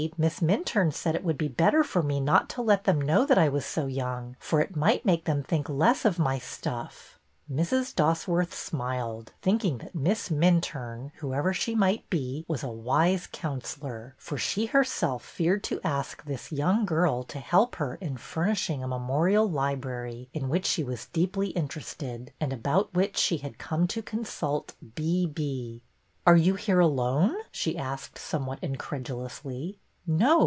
Miss Minturne said it would be better for me not to let them know that I was so young, for it might make them think less of my stuff." Mrs. Dosworth smiled, thinking that Miss Minturne, whoever she might be, was a wise counsellor, for she herself feared to ask this young girl to help her in furnishing a Memorial Library in which she was deeply interested, and about which she had come to consult " B. B." '' Are you here alone ?" she asked, somewhat incredulously. '' No.